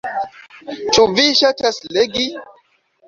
Ĉu vi ŝatas legi?